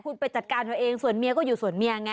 คุณไปจัดการเธอเองส่วนเมียก็อยู่ส่วนเมียไง